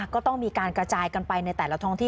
ก็ต้องมีการกระจายกันไปในแต่ละท้องที่